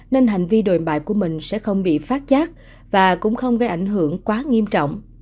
nên hành vi đồi bại của mình sẽ không bị phát giác và cũng không gây ảnh hưởng quá nghiêm trọng